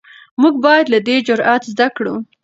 موږ باید له ده جرئت زده کړو.